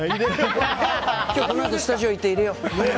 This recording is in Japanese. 今日、このあとスタジオで行って入れよう。